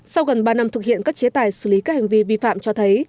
sau gần ba năm thực hiện các chế tài xử lý các hành vi vi phạm cho thấy